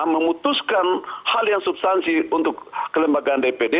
memutuskan hal yang substansi untuk kelembagaan dpd